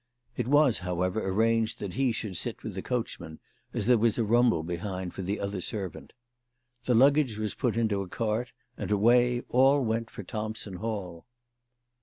It was, however, arranged that he should sit with the coachman, as there was a rumble behind for the other servant. The luggage was put into a cart, and away all went for Thompson Hall.